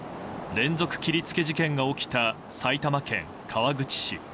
連続切りつけ事件が起きた埼玉県川口市。